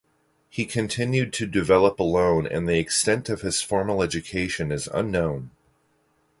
He continued to develop alone and the extent of his formal education is unknown.